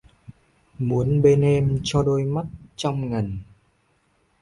Muốn bên em cho đôi mắt trong ngần